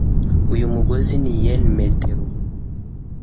Uyu mugozi ni yen metero .